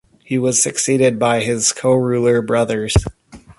He was succeeded by his co-ruler brothers.